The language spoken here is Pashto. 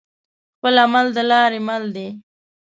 خپل عمل د لارې مل دى.